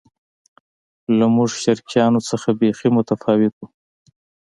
له موږ شرقیانو نه بیخي متفاوت و.